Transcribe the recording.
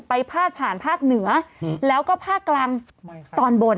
พาดผ่านภาคเหนือแล้วก็ภาคกลางตอนบน